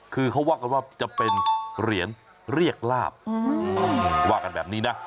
คือเขาว่ากันว่าจะเป็นเหรียญเรียกลาบว่ากันแบบนี้นะ